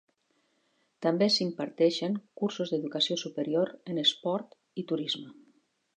També s'hi imparteixen cursos d'educació superior en esport i turisme.